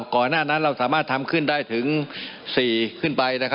ก่อนหน้านั้นเราสามารถทำขึ้นได้ถึง๔ขึ้นไป